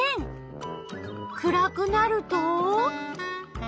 暗くなると？